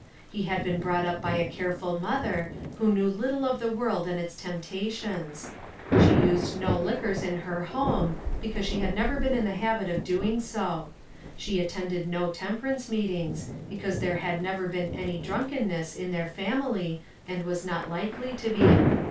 He had been brought up by a care ful mother, who knew little of the world 142 ONE COMMONPLACE DAY. and its temptations. She used no liquors in her home, because she had never been in the habit of doing so. She attended no temperance meetings, because there had never been any drunkenness in their fam ily, and was not likely to be.